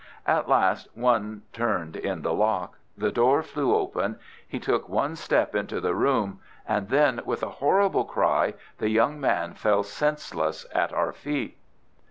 At last one turned in the lock, the door flew open, he took one step into the room, and then, with a horrible cry, the young man fell senseless at our feet.